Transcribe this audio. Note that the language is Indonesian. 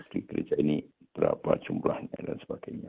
di gereja ini berapa jumlahnya dan sebagainya